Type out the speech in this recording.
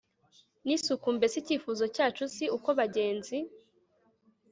nisuku Mbese icyifuzo cyacu si uko bagenzi